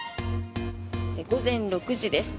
午前６時です。